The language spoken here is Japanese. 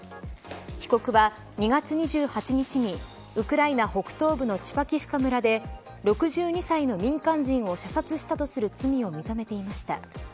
被告は２月２８日にウクライナ北東部のチュパキフカ村で６２歳の民間人を射殺したとする罪を認めていました。